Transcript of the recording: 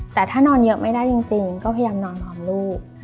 แต่ถ้านอนเยอะไม่ได้จริงก็พยายามนอนพร้อมลูก